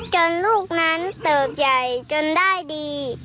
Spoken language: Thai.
ลูกนั้นเติบใหญ่จนได้ดี